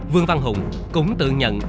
vương văn hùng cũng tự nhận